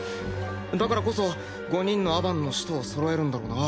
だからこそ５人のアバンの使徒をそろえるんだろうな。